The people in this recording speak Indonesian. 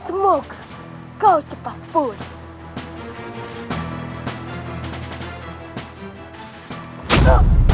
semoga kau cepat pulih